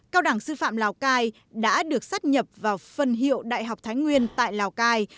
cao đẳng sư phạm lào cai đã được sát nhập vào phân hiệu đại học thái nguyên tại lào cai